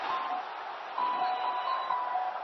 خو چي پام یې سو څلورو نرۍ پښو ته